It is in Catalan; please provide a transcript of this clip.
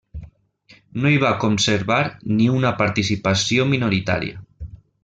No hi va conservar ni una participació minoritària.